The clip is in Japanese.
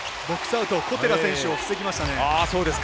アウト小寺選手を防ぎましたね。